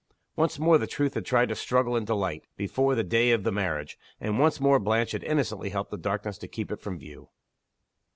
Once more the truth had tried to struggle into light, before the day of the marriage, and once more Blanche had innocently helped the darkness to keep it from view.